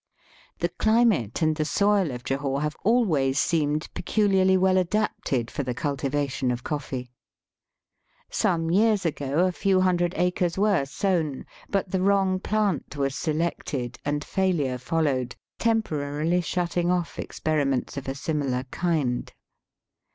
The climate and the soil of Jahore have always seemed peculiarly well adapted for the cultivation of coffee. Some years ago a few hundred acres were sown, but the wrong plant was selected, and failure followed, temporarily shutting off experiments of a similar kind.